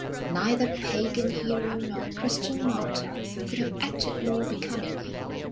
Neither pagan hero nor Christian martyr could have acted more becomingly.